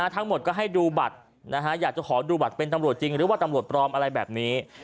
ทั้งหมดก็ให้ดูบัตรอยากจะขอดูบัตรเป็นตำรวจจริงหรือว่าตำรวจปลอมอะไรแบบนี้